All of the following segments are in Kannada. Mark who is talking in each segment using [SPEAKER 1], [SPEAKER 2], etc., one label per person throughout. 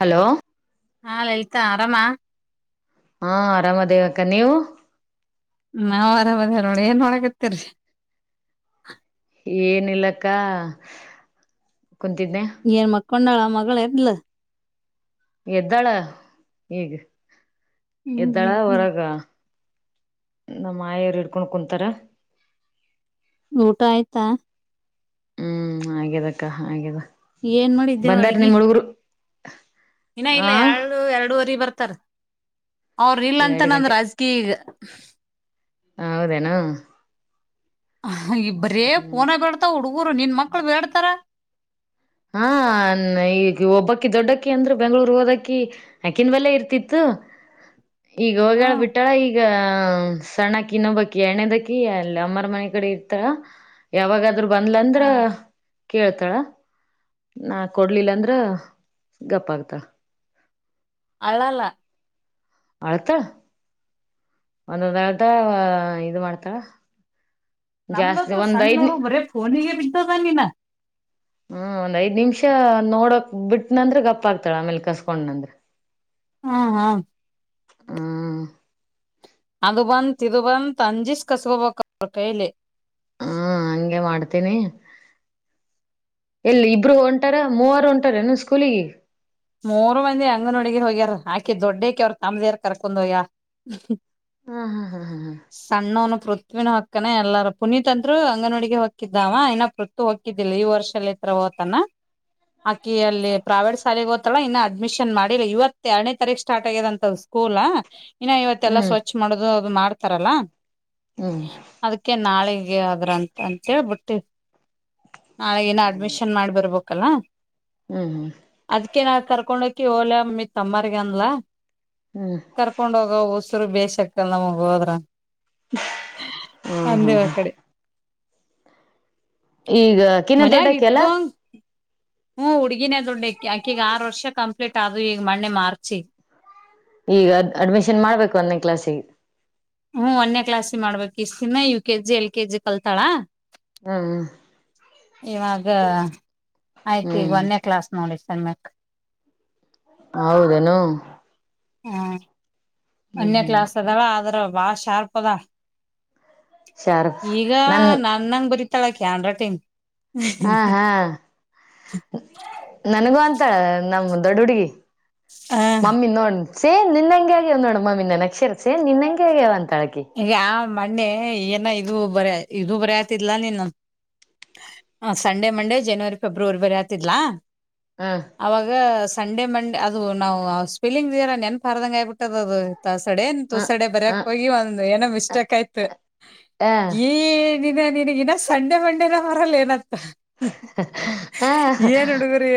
[SPEAKER 1] ಹಲೋ
[SPEAKER 2] ಹಾಲಾಲಿ ತಾ ಆರಾಮ
[SPEAKER 1] ಹಾ ಆರಾಮ ದೇವಕ್ಕ ನೀವು
[SPEAKER 2] ನಾವ್ ಆರಾಮದ ನೋಡ ಏನ್ ನೋಡಕತ್ತೇರಿರಿ
[SPEAKER 1] ಏನಿಲ್ಲಕ್ಕಾ ಕುಂತಿದ್ದೆ
[SPEAKER 2] ಕೋಂಡಾಳ ಮಗಳು ಎಡ್ಲ್ಲ
[SPEAKER 1] ಎದ್ದಾಳ ಈಗ ಎ್ದಳಾ ವರಗ ನಮ್ಮ ಮಾಯೆಯವರು ಇಡ್ಕೊಂಡ್ ಕುಂತಾರ
[SPEAKER 2] ಊಟ ಆಯ್ತಾ
[SPEAKER 1] ಹ್ಮ್ ಆಗ್ಯದ ಅಕ್ಕ ಆಗ್ಯದ
[SPEAKER 2] ಏನ್ ಮಾಡಿದ್ದೇವು
[SPEAKER 1] ಬಂದಾರ
[SPEAKER 2] ಅಡ್ಗಿ
[SPEAKER 1] ನಿಮ್ ಹುಡುಗರು
[SPEAKER 2] ಇನ್ನ ಇಲ್ಲ
[SPEAKER 1] ಆ
[SPEAKER 2] ಎರಡು ಎರಡೂವರೆ ಬರ್ತ ಸತ್ತರ ಅವ್ರ ಇಲ್ಲ ಅಂತ
[SPEAKER 1] ಎರಡು
[SPEAKER 2] ನಂದು ರಾಜಕೀಯ ಈಗ
[SPEAKER 1] ಹ ಹೌದೇನಾ
[SPEAKER 2] ಹ ಇಬ್ಬರೇ
[SPEAKER 1] ಹ್ಮ್
[SPEAKER 2] ಫೋನ್ ಬಡ್ತಾ ಹುಡುಗುರು ಊರು ನಿನ್ ಮಕ್ಕಳು ಬೇಡ್ತಾರ
[SPEAKER 1] ಹಾ ಈ ಒಬ್ಬಕ್ಕಿ ದೊಡ್ಡಕ್ಕಿ ಅಂದ್ರೆ ಬೆಂಗಳೂರು ಹೋದಕಿ ಅಕನ್ವೆಲ್ಲ ಇರ್ತಿತ್ತು ಈಗ ಹೋಗಳ
[SPEAKER 2] ಹ್ಮ್
[SPEAKER 1] ಬಿಟ್ಟಾಳ ಈಗ ಹ ಸಣ್ಣಕಿ ಇನ್ನೊಬಕಿ ಎರಡನೇ ದಕಿ ಅಲ್ಲಿ ಅಮ್ಮರ ಮನೆ ಕಡೆ ಇರ್ತಾಳ ಯಾವಾಗ ಅದ್ರರು ಬಂದ್ಲಂದ್ರ
[SPEAKER 2] ಹ
[SPEAKER 1] ಕೇಳ್ತಾಳ ನಾ ಕೊಡ್ಲಿಲ್ಲ ಅಂದ್ರ ಗಪ್ಪ ಆಗ್ತಳ
[SPEAKER 2] ಅಳಲಾ
[SPEAKER 1] ಅಳ್ತಾಳ ಒಂದೊಂದಳದ ಇದು ಮಾಡ್ತಾಳ ಜಾಸ್ತಿ
[SPEAKER 2] ನಮಗದು
[SPEAKER 1] ಒಂದ್
[SPEAKER 2] ಸಣ್ಣ
[SPEAKER 1] ಐದ್
[SPEAKER 2] ನೋಡು ಬರೇ ಫೋನಿಗೆ ಬಿದ್ದದ ನೆನ
[SPEAKER 1] ಹ್ಮ ಒಂದ್ ಐದ್ ನಿಮಿಷ ನೋಡಕ್ ಬಿಟ್ಟನಂದ್ರೆ ಗಪ್ಪ ಆಗ್ತಾಳ ಆಮೇಲ್ ಕಸ್ಕೊಂಡ್ನಂದ್ರ
[SPEAKER 2] ಹ್ಮ ಹಾ
[SPEAKER 1] ಹ್ಮ
[SPEAKER 2] ಅದುಬಂದತ್ ಇದು ಬಂತ್ ಅಂಜಿಸಸ ಕಸಬೇಕು ಅವ್ಳ ಕೈಲಿ
[SPEAKER 1] ಹಾ ಹಂಗೆ ಮಾಡ್ತೀನಿ ಇಲ್ಲಿ ಇಬ್ರು ಹೊಂಟಾರ ಮೂವರು ಹೊಂಟಾರ ಏನು ಸ್ಕೂಲಿಗೆ
[SPEAKER 2] ಮೂರ್ ಮಂದಿ ಅಂಗನ ವಡಿಗಿ ಹೋಗ್ಯಾರ ಆಕಿ ದೊಡ್ದ್ ಕಿ ಅವರು ತಮ್ಮದಿರ್ ಕರ್ಕೊಂಡ ಹೋಗ್ಯಳ
[SPEAKER 1] ಹಾ ಹಾ ಹಾ ಹಾ ಹಾ
[SPEAKER 2] ಸಣ್ಣ ಅವನು ಪೃಥ್ವಿನು ಹಕ್ಕನ ಎಲ್ಲಾರ ಪುನೀತ್ ಅಂತೂ ಅಂಗನ ವಡಿಗೆ ಹಕಿದ್ದಾವ ಇನ್ನ ಪೃಥ್ವಿ ಓಗ್ತಿದಿಲ್ಲ ಈ ವರ್ಷ ಹೋಗ್ತಾನ ಆಕಿ ಅಲ್ಲಿ ಪ್ರೈವೇಟ್ ಶಾಲೇಗೆ ಓದು ಅವಳನ ಇನ್ನು ಅಡ್ಮಿಷನ್ ಮಾಡಿಲ್ಲ ಇವತ್ತ ಎರಡನೇ ತಾರೀಕ ಸ್ಟಾರ್ಟ್ ಆಗ್ಯದಂತದ್ ಸ್ಕೂಲ್ ಇನ್ನ ಇವತ್ತೆಲ್ಲಾ
[SPEAKER 1] ಹ್ಮ್
[SPEAKER 2] ಸ್ವಚ್ಛ ಮಾಡೋದು ಅದು ಮಾಡ್ ತಾರಲ್ಲಾ
[SPEAKER 1] ಹ್ಮ್
[SPEAKER 2] ಅದಕ್ಕೆೇ ನಾಳೇ ಹಾಗಗೆ ಆದ್ರ ಅಂತ ಅಂತೇಳ್ಬಿಟ್ಟ ಹಾ ಇನ್ನು
[SPEAKER 1] ಹ್ಮ್
[SPEAKER 2] ಅಡ್ಮಿಷನ್ ಮಾಡಿರ್ಬಬೇಕು ಕಲ್ಲಾ
[SPEAKER 1] ಹ್ಮ್ ಹ್ಮ್
[SPEAKER 2] ಕರ್ಕೊಂಡೋಗಿ ಹೋಗಲಾಮ ಮ ತಮ್ಮರಿಗನ್ಲ.
[SPEAKER 1] ಹ್ಮ್
[SPEAKER 2] ಕರ್ಕೊಂಡ ಹೋಗ ಉಸರು ಬೇಸ್. ಚಕ್ಕ ನಮಗ್ ಹೋದ್ರ.
[SPEAKER 1] ಹ್ಮ ಹಾ
[SPEAKER 2] ಅಂದೇವ ಆ
[SPEAKER 1] ಹಾ [inaudible]
[SPEAKER 2] ಕಡೆ
[SPEAKER 1] ಈಗ ಕಿನ
[SPEAKER 2] ಮನ್ಯಾಗ
[SPEAKER 1] ದೊಡ್ಡಕ್ಕೆ ಅಲ್ಲ.
[SPEAKER 2] ಇದ್ದಂಗ ಹ್ಮ್ ಉುಗಿನ ಅದು ಾಕ ಈಗ ಆರು ವರ್ಷ ಕಂಪ್ಲೀಟ್ ಆದದು ಈಗ ಮಣ್ಣೆ ಮಾರ್. ಚ [inaudible]
[SPEAKER 1] ಈಗ್ ಅಡ್ಮಿಷನ್ ಮಾಡ್ಬೇಕು ಒಂದನೇ ಕ್ಲಾಸ್ಿಗೆ.
[SPEAKER 2] ಹ್ಮ್ ಒನ್ಯ ಕ್ಲಾಸಿ ಮಾಡ್ಬೇಕಕ್ ಇಷ್ಟತಿನ U K G L K G ಕಲ್ತಾಳ.
[SPEAKER 1] ಹ್ಮ್
[SPEAKER 2] ಇವಾಗ ಆಯ್ತು ಈಗ
[SPEAKER 1] ಹ್ಮ್
[SPEAKER 2] ಒಂದೇ ಕ್ಲಾಸ್ ನೋಡ. ಸಮಕ್.
[SPEAKER 1] ಹೌದೇನು.
[SPEAKER 2] ಹಾ.
[SPEAKER 1] ಹ್ಮ್
[SPEAKER 2] ಅನ್ಯ
[SPEAKER 1] ಹ್ಮ್
[SPEAKER 2] ಕ್ಲಾಸ್ ಅದಾವ ಆದ್ರ. ವಾ ಶಾರ್ಪದ.
[SPEAKER 1] ಶಾರ್ಪ್
[SPEAKER 2] ಈಗ
[SPEAKER 1] ನನ್
[SPEAKER 2] ನನ್ನಂಗ ಬರೀತ ಳ ಹ್ಯಾಂಡ್ರೈಟಿ್.
[SPEAKER 1] ಹಾ ಹಾ ನನಗೂ ಅಂತ. ನಮ ದೊಡ್ಡ ಹುಡುಗಿ.
[SPEAKER 2] ಹ.
[SPEAKER 1] ಸೇನ್ ನಿನ್ಂಗ ಆಗ್ಯವ್ ನೋಡಮ್ಮ ನಿನ್ನ ನಕ್ಷರ ಸೇನ್ ನಿನ್ಂ ಆಗ್ಯವ ಅಂತ.
[SPEAKER 2] ಈಗ ಆ ಮಣ್ಣೆ ಏನ. ಇದು ಬರ ಇದು ಬರಿ ಆತಲಾ ನೀನು ಸಂಡೇ ಮಂಡೇ ಜನವರಿ ಫೆಬ್ರವರಿ ಬರಿತಿದಲ.
[SPEAKER 1] ಹ್ಮ್
[SPEAKER 2] ಅವಾಗ ಸಂಡೆ ಮಂಡೆ. ಅದು ನಾವು ಸ್ಪೆಲಿಂಗ್ೀರ ನೆನ್ಪಾರದಂಗ ಆ್ಬ ಬಿಟ್ಟದ ಅದು. ತ ಸಡೆ ತು
[SPEAKER 1] ಹ್ಮ್
[SPEAKER 2] ಸಡೆ ಬರಕ್
[SPEAKER 1] ಹ್ಮ್
[SPEAKER 2] ಹೋಗಿ. ಏನೋ ಮಿಸ್ಟೇಕ್ ಆಯ್ತು ಈ. ನೀಿನಗಿನ ಸಂಡೆ ಮಂಡೇನ ಮರಲ್ಲ ನತ್ತ.
[SPEAKER 1] ಹ ಹ
[SPEAKER 2] ಏನ್ ಹುಡುಗ್ರಿ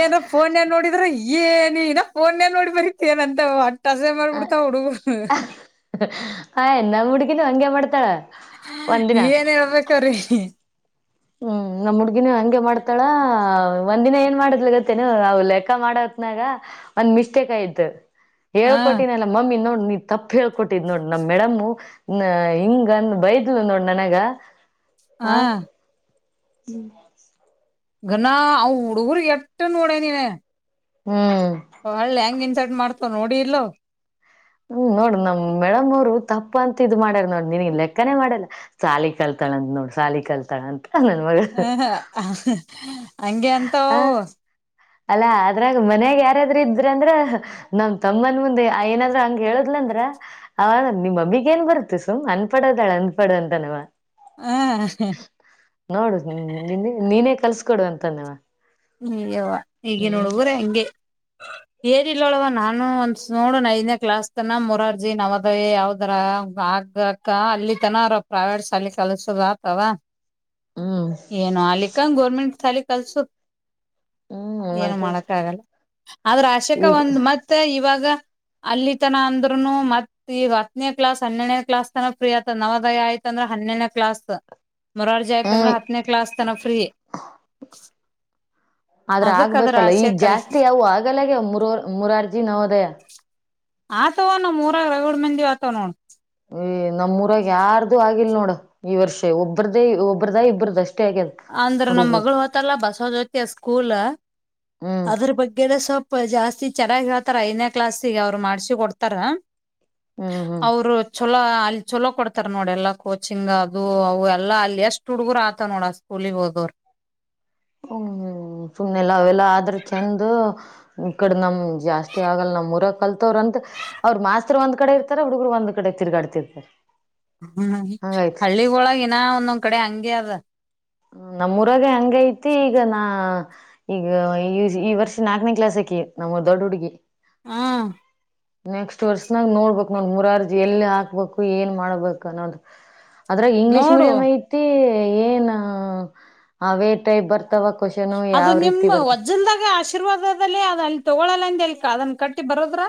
[SPEAKER 2] ಏನ ಫೋನ್ಲ್ ನೋಡಿದ್ರ. ಏನ ಇನ ಫೋನ್ೇಲ್ ನೋಡಿ ಬರೀತೇ ನಂತ. ತಟಸೆ ಮರ್ಬಿಡ್ತಾ ಹುಡುಗ.
[SPEAKER 1] ಹ ಎನ್ನ ಹುಗನ ಹಂಗೆ ಮಾಡ್ತ.
[SPEAKER 2] ಏನ್ ಹೇಳಬೇಕೇಕ್ರೀ.
[SPEAKER 1] ಹ್ಮ್ ನಮ್ ಹುಡ್ಗಿನ ಹಂಗೆ ಮಾಡ್ತಾಳ ಒಂದು ದಿನ ಏನ್ ಮಾಡದ್ಲಿ ಗೊತ್ತೇನು ಅವ್ ಲೆಕ್ಕ ಮಾಡತ್ನಾಗ ಒಂದ್ ಮಿಸ್ಟೇಕ್ ಆಯ್ತು
[SPEAKER 2] ಹಾ
[SPEAKER 1] ಹೇಳ್ಕೊಟ್ಟಿನಲ್ಲ ಮಮ್ಮಿ ನೋಡ್ ನೀ ತಪ್ಪ ಹೇಳ್ಕೊಟ್ಟಿದ್ ನೋಡ್ ನಮ್ ಮೇಡಮ್ಮು ನ ಹಿಂಗಂದ ಬೈದ್ಲು ನೋಡ್ ನನಗ
[SPEAKER 2] ಹಾ
[SPEAKER 1] ಹ್ಮ್
[SPEAKER 2] ಗಣ ಆ ಹುಡಗುರ್ ಎಟ್ಟ ನೋಡ ನೀ
[SPEAKER 1] ಹ್ಮ್
[SPEAKER 2] ಒಳ್ಳೆ ಹೆಂಗ್ ಇನ್ಸರ್ಟ್ ಮಾಡ್ತ ನೋಡಿ ಇಲ್ಲ
[SPEAKER 1] ಹ್ಮ್ ನೋಡಿ ನಮ್ ಮೇಡಮ್ ಅವ್ರು ತಪ್ಪ ಅಂತ ಇದ್ ಮಾಡ್ಯಾರ ನೋಡ್ ನಿನಗ್ ಲೆಕ್ಕನೇ ಮಾಡಲ್ಲ ಸಾಲಿ ಕಲ್ತಾಳಂತ ನೋಡ್ ಸಾಲಿ ಕಲ್ತಾಳಂತ ಹಾ ನನ್ಮಗ
[SPEAKER 2] ಹಾ ಹಂಗೆ ಅಂತೋವ್
[SPEAKER 1] ಅಲ್ಲ ಅದ್ರಾಗ ಮನ್ಯಾಗ ಯಾರಾದ್ರೂ ಇದ್ರ ಅಂದ್ರ ನಮ್ ತಮ್ಮನ್ ಮುಂದೆ ಏನಾದ್ರು ಹಂಗ ಹೇಳುದ್ಲ ಅಂದ್ರ ಅವಾಗ ನಿಮ್ಮಮ್ಮಿಗ್ ಏನ್ ಬರುತ್ತೆ ಸುಮ್ ಅನ್ಪಡೋದಾಳ ಅನ್ಪಡ ಅಂತಾನವ
[SPEAKER 2] ಹ
[SPEAKER 1] ನೋಡು ನಿನ್ ನೀನೇ ಕಲ್ಸ ಕೊಡು ಅಂತವ
[SPEAKER 2] ಯವ್ವ ಈಗಿನ ಹುಡಗ್ರೆ ಹಂಗೆ ಏನಿಲಿಲ್ಲವ ನಾನು ಒಂದ್ಸಾ ನೋಡಣ ಐದನೇ ಕ್ಲಾಸ್ ತನ ಮುರಾರ್ಜಿ ನವದವ ಯಾವ್ದ್ರ ಆಗಕ ಅಲ್ಲಿ ತನರ ಪ್ರೈವೇಟ್ ಶಾಲ ಕಲ್ಸದ ಆತವ
[SPEAKER 1] ಹ್ಮ್
[SPEAKER 2] ಏನು ಅಲ್ಲಿಕ್ಕಂಗ ಗೋರ್ಮೆಂಟ್ ಶಾಲಿ ಕಲ್ಸು
[SPEAKER 1] ಹ್ಮ್
[SPEAKER 2] ಏನು
[SPEAKER 1] ಮತ್ತೆ
[SPEAKER 2] ಮಾಡಕ್ಕಾಗಲ್ಲ ಆದ್ರ ಅಶಕ
[SPEAKER 1] ಈಗ
[SPEAKER 2] ಒಂದು ಮತ್ತೆ ಇವಾಗ ಅಲ್ಲಿ ತನ ಅಂದ್ರುನು ಮತ್ ಈಗ ಹತ್ತನೇ ಕ್ಲಾಸ್ ಹನ್ನೆಡನೇ ಕ್ಲಾಸ್ ತನ ಫ್ರೀ ಆತದ ನವದಯ ಆಯ್ತ ಅಂದ್ರೆ ಹನ್ನೆಡನೇ ಕ್ಲಾಸ್ ಮುರಾರ್ಜಿ
[SPEAKER 1] ಹ್ಮ್
[SPEAKER 2] ಹಾಯಾತಂದ್ರ ಹತ್ತನೇ ಕ್ಲಾಸ್ತನ ಫ್ರೀಯ
[SPEAKER 1] ಆದ್ರ ಆಗ್ಬೇಕಲ್ಲ ಈಗ ಜಾಸ್ತಿ ಅವು ಆಗಲ್ಲಗೆ ಮುರ ಮುರಾರ್ಜಿ ನವೋದಯ
[SPEAKER 2] ಆತವ ನ ಮೂರ ಎರಗಡ್ ಮಂದಿಿವ ಆತವ ನೋಡ್
[SPEAKER 1] ಹ್ಮ್ ನಮ್ಊರಾಗ್ ಯಾರ್ದು ಆಗಿಲ್ಲ ಇಲ್ ನೋಡ ಈ ವರ್ಷ ಒಬ್ರದೇ ಒಬ್ರದಾ ಇಬ್ಬ್ರದ ಅಷ್ಟೇ ಆಗ್ಯದ
[SPEAKER 2] ಅಂದ್ರ ನಮ್
[SPEAKER 1] ಹುಡುಗ್ರದು
[SPEAKER 2] ಮಗಳು ಹೊತಲ್ಲ ಬಸವ ಜ್ಯೋತಿ ಸ್ಕೂಲ್
[SPEAKER 1] ಹ್ಮ್
[SPEAKER 2] ಅದ್ರ ಬಗ್ಗೆ ಸ್ವಲ್ಪ ಜಾಸ್ತಿ ಚೆನ್ನಾಗಿ ಆ ತರ ಐದನೇ ಕ್ಲಾಸ್ ಈಗ ಅವ್ರು ಮಾಡ್ಸಿ ಕೊಡ್ತಾರ
[SPEAKER 1] ಹ್ಮ್ ಹ್ಮ್
[SPEAKER 2] ಅವರು ಚೊಲೋ ಅಲ್ಲಿ ಚಲೋ ಕೊಡ್ತಾರ ನೋಡ ಎಲ್ಲಾ ಕೋಚಿಂಗ್ ಅದು ಅವು ಎಲ್ಲ ಅಲ್ಲಿ ಎಷ್ಟು ಹುಡುಗರು ಆತ ನೋಡ ಕುಲಿ ಗೋದೋರು
[SPEAKER 1] ಹ್ಮ್ ಸುಮ್ನೆಲ್ಲ ಅವೆಲ್ಲ ಆದ್ರ ಚೆಂದ ಈ ಕಡೆ ನಮ್ ಜಾಸ್ತಿ ಆಗಲ್ ನಮ್ ಊರ ಕಲ್ತವ್ರ ಅಂತ ಅವ್ರರು ಮಾಸ್ತರ್ ಒಂದ್ ಕಡೆ ಇರ್ತಾರ ಹುಡ್ಗರು ಒಂದ್ ಕಡೆ ತಿರ್ಗಾಡ್ತಿರ್ತಾರ
[SPEAKER 2] ಹ್ಮ್
[SPEAKER 1] ಹಂಗೈತಿ
[SPEAKER 2] ಹಳ್ಳಿಗ ಒಳಗನಾ ಒಂದೊಂದ್ ಕಡೆ ಹಂಗಗೆ ಅದ
[SPEAKER 1] ನಮಮ್ಮೂರಾಗ ಹಂಗ ಐತಿ ಈಗ ನಾ ಈಗ ಈ ಈ ವರ್ಷ ನಾಕನೇ ಕ್ಲಾಸ್ಕಿ ನಮ್ಮ ದೊಡ್ಡ ಹುಡುಗಿ
[SPEAKER 2] ಹಾ
[SPEAKER 1] ನೆಕ್ಸ್ಟ್ ವರ್ಸನಾಗ ನೋಡ್ಬಕ್ ನೋಡ ಮುರಾರ್ಜಿ ಎಲ್ಲಿ ಹಾಕ್ಬೇಕು ಏನ್ ಮಾಡಬೇಕು ಅನೋದು ಅದ್ರಾಗೆ ಇಂಗ್ಲೀಷ್
[SPEAKER 2] ನೋಡು
[SPEAKER 1] ಮೀಡಿಯಂ ಐತಿ ಏಯ್ ಏನು ಹ್ಮ ಅವೇತ ಬರ್ತ
[SPEAKER 2] ಅದು ನಿಮ್ ವಜ್ಜಲ್ದಾಗ ಆಶೀ ಆಶೀರ್ವಾದದಲ್ಲಿ ಅದ ಅಲ್ಲಿ ತಗೊಳ್ಳಲ್ಲಂದ ಅದನ್ನ ಕಟ್ಟಿ ಬರೋದ್ರ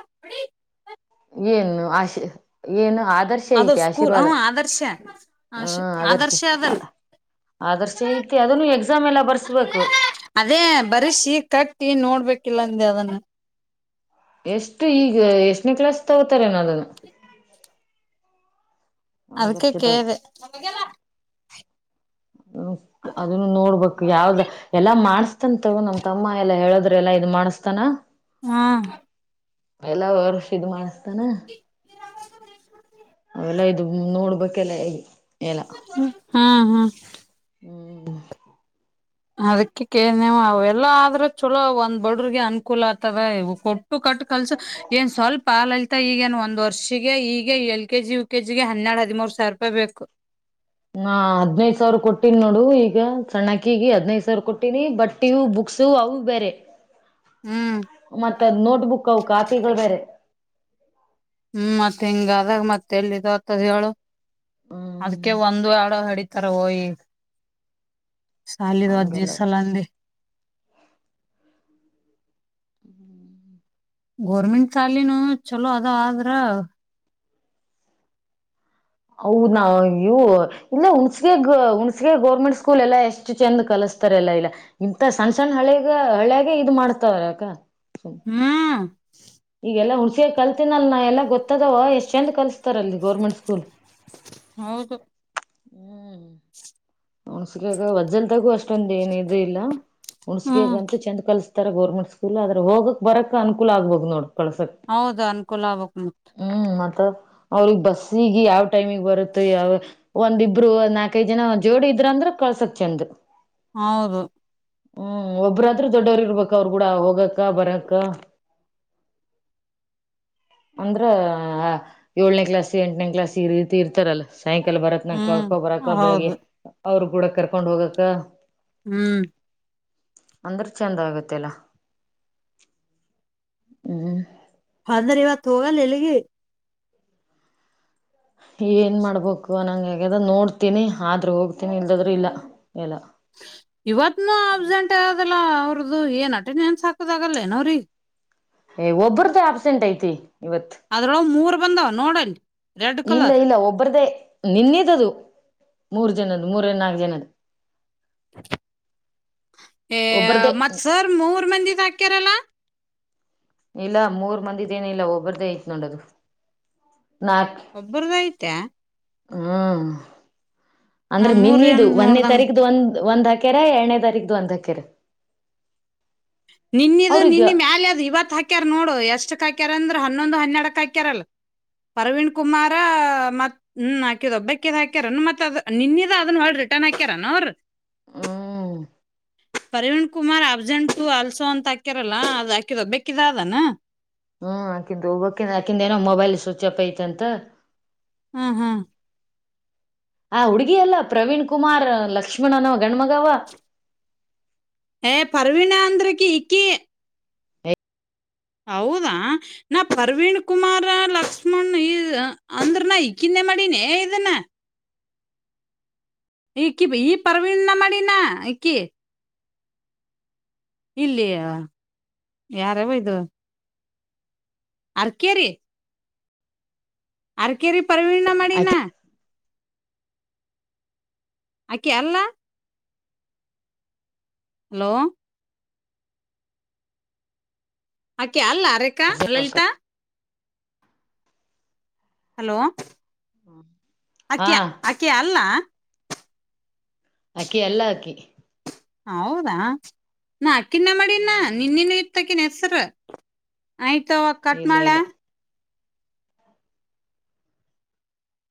[SPEAKER 1] ಏನು ಆಶೆ ಏನೋ
[SPEAKER 2] ಅದ ಸ್ಕೂಲ್ ಹ ಆದರ್ಶ ಆದರ್ಶ ಅದನ್ನು
[SPEAKER 1] ಆದರ್ಶ ಐತಿ ಅದನ್ನು ಎಕ್ಸಾಮ್ ಎಲ್ಲ ಬರ್ಸ್ಬೇಕು
[SPEAKER 2] ಅದೇ ಬರ್ಸಿ ಕಟ್ಟಿ ನೋಡ್ಬೇಕಿಲ್ಲಂದ ಅದನ್ನು
[SPEAKER 1] ತಗೋತಾರೆ ನ
[SPEAKER 2] ಅದಕ್ಕೆ
[SPEAKER 1] ಆದರ್ಶದಾಗ
[SPEAKER 2] ಕೇಳಿದೆ
[SPEAKER 1] ಅದನ್ನು ನೋಡ್ಬೇಕು ಯಾವ್ದ ಎಲ್ಲಾ ಮಾಡಸ್ತನ್ ತಗೋ ನಮ್ ತಮ್ಮ ಎಲ್ಲಾ ಹೇಳದ್ರ ಎಲ್ಲಾ ಇದ ಮಾಡಸ್ತಾನ
[SPEAKER 2] ಹ್ಮ್
[SPEAKER 1] ಎಲ್ಲ ವರ್ಷ ಇದ ಮಾಡಸ್ತಾನ ಅವೆಲ್ಲ ಇದು ನೋಡ್ಬೇಕೆಲ್ಲ ಹಗಿ
[SPEAKER 2] ಹಾ ಹಾ ತುಚ್ಛ [unintelligible]
[SPEAKER 1] ಹ್ಮ್
[SPEAKER 2] ಅದಕ್ಕೆ ಕೇಳ ನೀವು ಎಲ್ಲ ಆದ್ರೆ ಚಲೋ ಒಂದ್ ಬಡ್ರಿಗೆ ಅನುಕೂಲ ಆಗ್ತವ ಇ ಕೊ ಕಟ್ಟ ಕಲ್ಸು ಏನ್ ಸ್ವಲ್ಪ ಪಾಾಲಲಿತಾ ಈಗೇನು ಒಂದು ವರ್ಷಿಗೆ ಈಗೆ L K G U K ಜಿಗೆ ಹನ್ನೆರಡು ಹದಿಮೂರು ಸಾವಿರ ರೂಪಾಯಿ ಬೇಕು
[SPEAKER 1] ಹಾ ಹದ್ನೈದ ಸಾವಿರ ಕೊಟ್ಟೀಿನಿ ನೋಡು ಈಗ ಸಣ್ಣಕಿಗ ಹದ್ನೈ್ ಸಾವಿರ ಕೊಟ್ಟೀಿನಿ ಬಟ್ಟಿಯು ಬುಕ್ಸು ಅವು ಬೇರೆ
[SPEAKER 2] ಹ್ಮ್
[SPEAKER 1] ಮತ್ತ ನೋಟ್ಬುಕ್ ಕಾಪಿಗಳು ಬೇರೆ
[SPEAKER 2] ಹ್ಮ್ ಮತ್ತತ್ ಹಿಂಗ ಆದಾಗ ಮತ್ತ ಎಲ್ಲಿ ಇದತ್ತ ಹೇಳಳು
[SPEAKER 1] ಹ್ಮ್
[SPEAKER 2] ಅದಕ್ಕೆ ಒಂದು ಆಡು ಹಡಿ ತರವಯ ಸಾಲಿ ಅ್ಜಿ
[SPEAKER 1] ಹಂಗೆಲ್ಲ
[SPEAKER 2] ಸಲ್ಲಂದ
[SPEAKER 1] ಹ್ಮ್ [inaudible]
[SPEAKER 2] ಗೌರ್ಮೆಂಟ್ ಶಾಲೆನೂ ಚಲೋ ಅದ ಆದ್ರ
[SPEAKER 1] ಹೌದ ನಾ ಇವು ಇಲ್ಲ ಹುಣ್ಸಗ ಹುಣ್ಸಗ ಗೌರ್ಮೆಂಟ್ ಸ್ಕೂಲ್ ಎಲ್ಲಾ ಎಷ್ಟು ಚೆಂದ ಕಲಸ್ತಾರೆ ಎಲ್ಲಾ ಇಲ್ಲ ಇಂತ ಸಣ್ ಸಣ್ಣ ಹಳಗ ಹಳ್ಯಾಗ ಇದ ಮಾಡ್ತವ್ರ ಅಕ
[SPEAKER 2] ಹ್ಮ್
[SPEAKER 1] ಹುಣ್ಸಿಗೆ ಕಲ್ತಿನಲ್ ನಾ ಎಲ್ಲ ಗೊತ್ತದವ ಎಷ್ಟ್ ಚಂದ ಕಲ್ ತಾರೆ ಅಲ್ಲಿ ಗೌರ್ಮೆಂಟ್ ಸ್ಕೂಲ್
[SPEAKER 2] ಹೌದು.
[SPEAKER 1] ಹ್ಮ್. ಹಣಸಲ್ಾಗ ವಜ್ಜಲ್ ತಗೋ ಅಷ್ಟೊಂದ ಏನ ಇದ್ರ ಇಲ್ಲ.
[SPEAKER 2] ಹ್ಮ್
[SPEAKER 1] ಹುಣಸಿಗಂತು ಚಂದ್ ಕಲ್ಸತ. ತರ ಗೌರ್ಮೆಂಟ್ ಸ್ಕೂಲ್ ಆದ್ರ ಹೋಗಕ್ ಬರಕ್ ಅನುಕೂಲ ಆಗ್ಬೋದು ನೋಡ್. ಕಳ್ಸಕ್
[SPEAKER 2] ಹೌದಾ ಅನ್ಕೂಲ ಅವಕ್ಮತ್.
[SPEAKER 1] ಅವ್ರಿಗೆ ಬಸ್ಸಿಗೆ ಯಾವ್ ಟೈಮಿಗೆ ಬರುತ್ತೋ ಯಾವ ಒಂದಿಬ್ರು ನಾಲ್ಕೈದು ಜನ. ಜೋಡಿ ಇದ್ರ ಅಂದ್ರ ಕಳ್ಸಕ್ ಚೆಂದ.
[SPEAKER 2] ಹೌದು.
[SPEAKER 1] ಹ್ಮ್ ಒಬ್ಬ್ರಾದ್ರೂ ದೊಡ್ಡವ್ರ ಇರ್ಬೇಕ ಅವ್ರ ಕೂಡ ಹೋಗಕ್ಕ ಬರಕ್ಕ. ಅಂದ್ರ ಏಳನೇ ಕ್ಲಾಸ್ ಎಂಟನೇ ಕ್ಲಾಸ್ ಈ ರೀತಿ ಇರ್ತಾರಲ್ಲ. ಸಾಯಂಕಲ್ ಬರತ್ ನ
[SPEAKER 2] ಹ್ಮ್
[SPEAKER 1] ಕಳ್ಕೊ ಬರಕ ಬೆಳಿಗ್ಗೆ
[SPEAKER 2] ಹೌದು
[SPEAKER 1] ಅವರು. ಕೂಡ ಕರ್ಕೊಂಡ್ ಹೋಗಕ್ಕ.
[SPEAKER 2] ಹ್ಮ್.
[SPEAKER 1] ಅಂದ್ರೆ ಚಂದ ಆಗತ್ತೆಿಲ್ಲ ಹ್ಮ್.
[SPEAKER 2] ಅಂದ್ರ ಇವತ್ತು ಹೋಗಲ್ಲ ಎಲ್ಲಿಗೆ.
[SPEAKER 1] ಏನ್ ಮಾಡ್ಬೇಕು ನಂಗಗೆ ಹೇಗದ ನೋಡ್ತೀನಿ ಆದ್ರೂ ಹೋಗ್ತೀನಿ ಇಲ್ದದ್ರು ಇಲ್ಲ. ಎಲ್ಲ
[SPEAKER 2] ಇವತ್ನು ಅಬ್ಸೆಂಟ್. ಅದಲ್ಲಾ ಅವ್ರದ್ದು ಏನ್ ಅಟೆನ ಏನ್ ಸಾಕುದ ಆಗಲ್ಲ ಏನೋ್ರೀ.
[SPEAKER 1] ಏ್ ಒಬ್ಬ್ರ್ದ ಅಬ್ಸೆಂಟ್ ಐತಿ. ಇವತ್
[SPEAKER 2] ಅದರ ಮೂರು. ಬಂದ ನೋಡಿ.
[SPEAKER 1] ಇಲ್ಲ ಇಲ್ಲ ಒಬ್ರ್ದೇ. ನಿನ್ನದ ಅದು ಮೂರ್ ಜನದ ಮೂರ ನಾಲ್ಕು ಜನದ.
[SPEAKER 2] ಹ್ಮ್ಮ್. ಏ
[SPEAKER 1] ಒಬ್ಬ್ರ್ದೇ
[SPEAKER 2] ಮತ್ ಸರ್ ಮೂರ್ ಮಂದಿದ ಹಾಕ್ಯಾರಲ್ಲ.
[SPEAKER 1] ಇಲ್ಲ ಮೂರ್ ಮಂದಿಿದಏನ ಇಲ್ಲ ಒಬ್ಬ್ರ್ದೇ ಐತ್ ನೋಡದು.
[SPEAKER 2] ಒಬ್ಬ್ರದ ಆಯ್ತಾ.
[SPEAKER 1] ಹ್ಮ
[SPEAKER 2] ನಾ
[SPEAKER 1] ಅಂದ್ರೆ
[SPEAKER 2] ಮೂರ್
[SPEAKER 1] ನಿನ್ನದು
[SPEAKER 2] ಏನ್
[SPEAKER 1] ಒಂದೇ
[SPEAKER 2] ನೋಡ್ದಂಗ
[SPEAKER 1] ತಾರೀಕ್ದು ಒಂದ್. ಒಂದ್ಕೆರೆ ಎರಡನೇ ತಾರೀಕ್ದು ಒಂದ್ ಹಕೆರೆ.
[SPEAKER 2] ನಿನ್ನಿದು ನಿನ್ನ ಮ್ಯಾಲ ಅದು ಇವತ್ ಹಾಕ್ಯಾರ ನೋಡು ಎಷ್ಟಕ್ ಹಾಕ್ಯಾರಂದ್ರ. ಹನ್ನೊಂದು ಹನ್ನೆರಡಕ್ ಹಾಕ್ಯಾರಲ್ಲ ಪರವಣ್ ಕುಮಾರ ಮತ್ ಹ್ಮ ಹಾಕಿದ ಒಬ್ಬಕ್ಕ ಹಾಕ್ಯಾರ ಮ ಅ ನಿನ್ನಿದ ಅದನ್ನ ಹೊ ರಿಟರ್ನ್ ಹಾಕ್ಯಾರ ಅವ.
[SPEAKER 1] ಹ್ಮ್.
[SPEAKER 2] ಪ್ರವೀಣ್ ಕುಮಾರ್ ಆಫಜಂ. ಹೂ ಅಲ್ಸೋ ಅಂತ ಹಾಕ್ಯರಲ್ಲ ಅದ ಹಾಕಿದ ಬೇಕಿದ ಅದಾನ.
[SPEAKER 1] ಹ್ಮ ಆಕಿಂದು ಹೋಗಬಕಿಿಂದ ಆಕಿಂದ ಏನೋ ಮೊಬೈಲ್ ಸ್ವಿಚ್ ಅಪ್ ಐತಂತ.
[SPEAKER 2] ಹ್ಮ್ ಹ್ಮ್
[SPEAKER 1] ಆ ಹುಡ್ಗಿ ಅಲ್ಲ ಪ್ರವೀಣ್ ಕುಮಾರ್ ಲಕ್ಷ್ಮಣ ಅನವ ಗಂಡ್ಮಗವ.
[SPEAKER 2] ಏ ಪರ್ವೀಣಾಂಧ್ರಕಿ ಇಕ್ಕಿ. ಹೌದಾ ನಾ ಪರ್ವೀಣ್ ಕುಮಾರ ಲಕ್ಷ್ಮಣ ಈ ಅಂದ್ರ ನ ಈಕಿಂದೆ ಮಾಡನೇ ಇದಾನ. ಈಕಿ ಈ ಪರ್ವೀಣನ ಮಾಡಿನ ಈಕಿ. ಇಲ್ಲಿಯ ಯಾರಾವ ಇದು ಆ ಕೆರೆ ಅ ಕೆರಿ
[SPEAKER 1] ಆಯ್ತು
[SPEAKER 2] ಅಕೆ ಅಲ್ಲ ಹಲೋ ಅಕೆ ಅಲ್ಲ ಅರೆಕ್ಕಾ ಲಲಿತಾ ಹಲೋ
[SPEAKER 1] ಹಾ
[SPEAKER 2] ಆಕೆ ಆಕೆ ಅಲ್ಲ
[SPEAKER 1] ಅಕ್ಕಿ ಎಲ್ಲಾ ಅಕ್ಕಿ
[SPEAKER 2] ಹೌದಾ ನಾ ತಿನ್ನ ಮಾಡಿಿನಾ
[SPEAKER 1] ಹ್ಮ್
[SPEAKER 2] ನಿನ್ನ ಇರ್ತ ನಸರ್ ಆಯ್ತ ಕಟ್
[SPEAKER 1] ಇಲ್ಲ ಇಲ್ಲ
[SPEAKER 2] ಮಾಡಳ